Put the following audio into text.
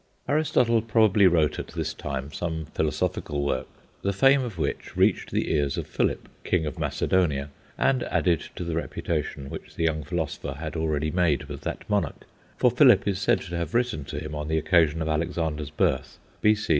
Aristotle probably wrote at this time some philosophical works, the fame of which reached the ears of Philip, King of Macedonia, and added to the reputation which the young philosopher had already made with that monarch; for Philip is said to have written to him on the occasion of Alexander's birth, B.C.